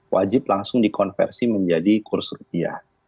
wajib langsung dikonversi menjadi kurs rupiah